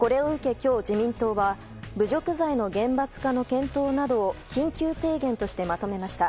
今日、自民党は侮辱罪の厳罰化の検討などを緊急提言としてまとめました。